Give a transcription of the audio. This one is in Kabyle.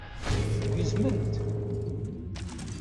Gezmen-t.